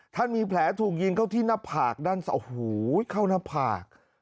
ท่านมีแผลถูกยิงเข้าที่หน้าผากด้านเสาเข้าหน้าผาก